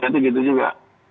itu gitu juga